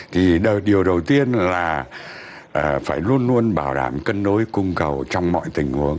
thì điều đầu tiên là phải luôn luôn bảo đảm cân đối cung cầu trong mọi tình huống